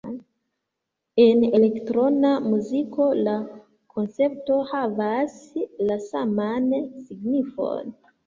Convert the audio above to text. En elektrona muziko la koncepto havas la saman signifon.